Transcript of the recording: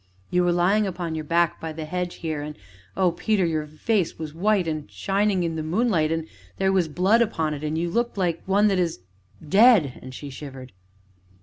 "You were lying upon your back, by the hedge here, and oh, Peter! your face was white and shining in the moonlight and there was blood upon it, and you looked like one that is dead!" and she shivered.